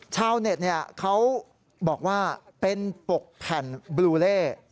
ชาวเน็ตเขาบอกว่าเป็นปกแผ่นบลูเล่